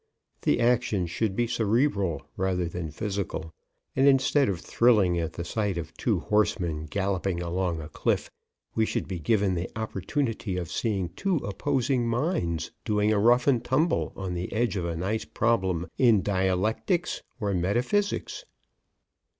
The action should be cerebral, rather than physical, and instead of thrilling at the sight of two horsemen galloping along a cliff, we should be given the opportunity of seeing two opposing minds doing a rough and tumble on the edge of a nice problem in Dialectics or Metaphysics.